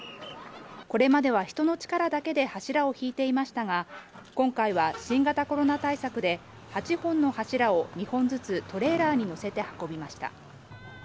これまでは人の力だけで柱を引いていましたが、今回は新型コロナ対策で、８本の柱を２本ずつ、トレーラーに載せて運びました。